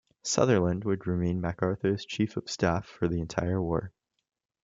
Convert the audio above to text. Sutherland would remain MacArthur's chief of staff for the entire war.